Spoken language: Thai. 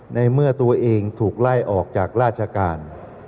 ในเมื่อตัวเองถูกไล่ออกจากราชการ